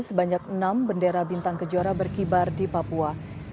sebanyak enam bendera bintang kejuara berkibar di papua